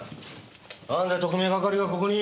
なんで特命係がここに！